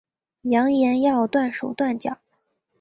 扬言要断手断脚